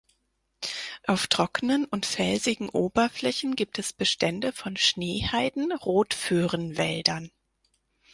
Auf trockenen und felsigen Oberflächen gibt es Bestände von Schneeheiden-Rotföhren-Wäldern.